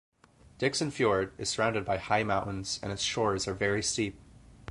Dickson Fjord is surrounded by high mountains and its shores are very steep.